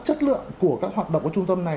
chất lượng của các hoạt động của trung tâm này